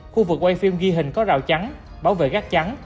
khu vực quay phim ghi hình có rào chắn bảo vệ gác trắng